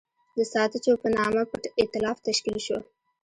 د ساتچو په نامه پټ اېتلاف تشکیل شو.